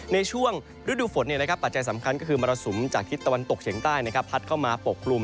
ในช่วงฤดูฝนปัจจัยสำคัญก็คือมรสุมจากทิศตะวันตกเฉียงใต้พัดเข้ามาปกกลุ่ม